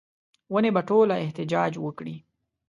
ونې به ټوله احتجاج وکړي